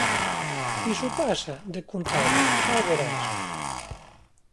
_Iso pasa de contado, xa o verás...